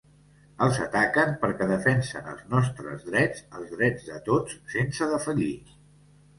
Els ataquen perquè defensen els nostres drets, els drets de tots sense defallir.